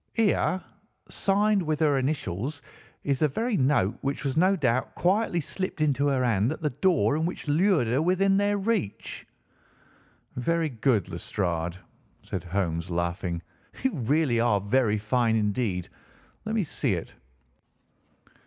Here, signed with her initials, is the very note which was no doubt quietly slipped into her hand at the door and which lured her within their reach." "Very good, Lestrade," said Holmes, laughing. "You really are very fine indeed. Let me see it."